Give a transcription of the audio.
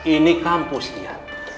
ini kampus dia